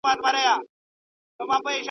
ډېر خلک غاښونه په ناسم ډول برس کوي.